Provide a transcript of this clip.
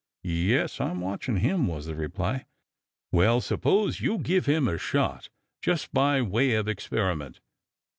"Yes, I'm watching him," was the reply. "Well, suppose you give him a shot, just by way of experiment."